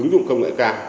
ứng dụng công nghệ cao